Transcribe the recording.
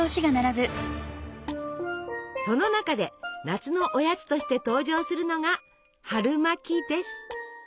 その中で夏のおやつとして登場するのが春巻きです！